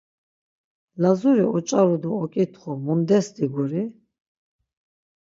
Lazuri oç̌aru do oǩitxu mundes diguri!